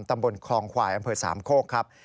ตำบลคลองควายอำเภอสามโคกครับ